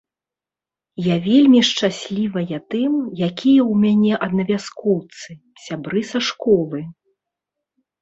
Я вельмі шчаслівая тым, якія ў мяне аднавяскоўцы, сябры са школы.